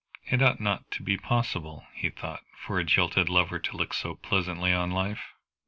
It ought not to be possible, he thought, for a jilted lover to look so pleasantly on life.